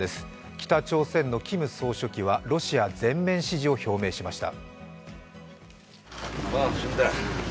北朝鮮のキム総書記はロシア全面支持を表明しました。